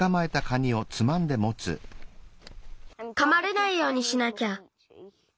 かまれないようにしなきゃ。